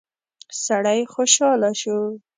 سړی خوشاله شو.